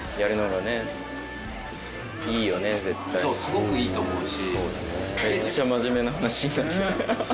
すごくいいと思うし。